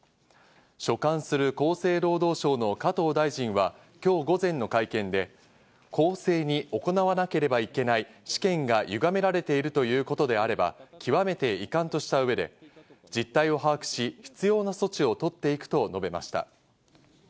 所管する厚生労働省の加藤大臣は今日午前の会見で、公正に行わなければいけない試験が歪められているということであれば極めて遺憾とした上で、実態を把握し、必要な措置を取っていくと述べました。